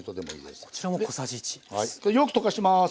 よく溶かします。